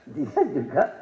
di sana juga